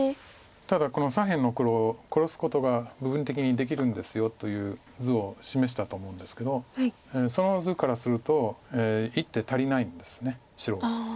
ただこの左辺の黒殺すことが部分的にできるんですよという図を示したと思うんですけどその図からすると１手足りないんです白。